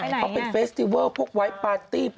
ไปไหนน่ะเขาเป็นเฟสติเวิลพวกไวท์ปาร์ตี้